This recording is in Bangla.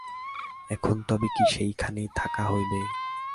এখন তবে কি সেইখানেই থাকা হইবে?